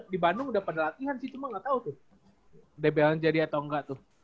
di bandung udah pada latihan sih cuma nggak tahu tuh dbl nya jadi atau enggak tuh